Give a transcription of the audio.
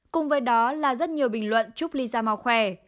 cùng với đó là rất nhiều bình luận chúc lisa mau khỏe